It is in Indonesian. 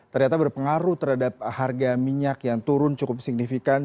ternyata berpengaruh terhadap harga minyak yang turun cukup signifikan